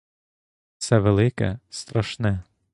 Все велике — страшне.